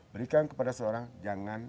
berikan kepada seorang jangan